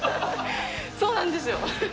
そうなんですよ。